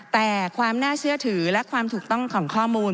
แต่ความน่าเชื่อถือและความถูกต้องของข้อมูล